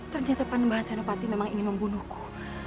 ternyata mbak zainal pati memang ingin membunuhku